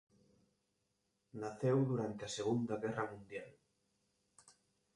Naceu durante a Segunda Guerra Mundial.